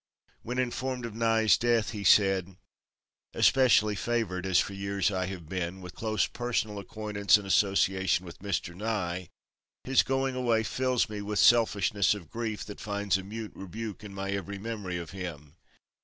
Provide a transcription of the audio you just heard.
When informed of Nye's death, he said: "Especially favored, as for years I have been, with close personal acquaintance and association with Mr. Nye, his going away fills me with selfishness of grief that finds a mute rebuke in my every memory of him.